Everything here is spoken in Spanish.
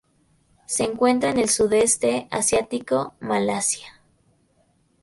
Se encuentra en el Sudeste asiático: Malasia.